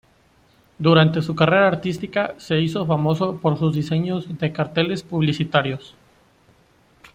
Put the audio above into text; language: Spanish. Durante su carrera artística se hizo famoso por sus diseños de carteles publicitarios.